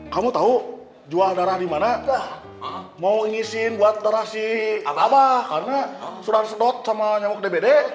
kamu tahu jual darah dimana mau ngisiin buat